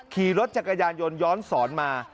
ขี่รถจักรยานยนต์ย้อนสอนมา